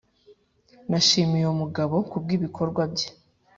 nashimiye uwo mugabo kubwibikorwa bye